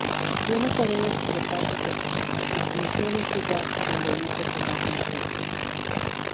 Tiene poderes telepáticos, y su misión es librarse del delito que no ha cometido.